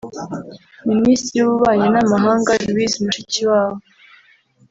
Minisitiri w’Ububanyi n’amahanga Louise Mushikiwabo